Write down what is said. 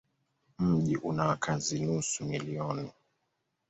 Mji una wakazi nusu milioni.